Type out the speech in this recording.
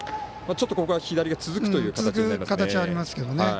ちょっと、ここは左が続くという形になります。